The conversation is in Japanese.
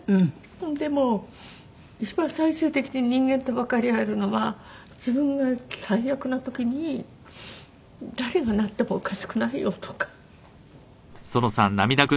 でも一番最終的に人間ってわかり合えるのは自分が最悪な時に「誰がなってもおかしくないよ」とか。